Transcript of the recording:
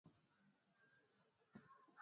ukukosa la kusema nataka ni wahakikishieni nyote